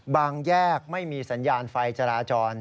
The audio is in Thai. แยกไม่มีสัญญาณไฟจราจร